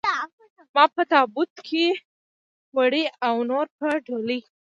ما په تابوت کې وړي او نور په ډولۍ.